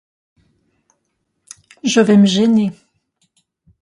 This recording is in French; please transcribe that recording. Je vais me gêner.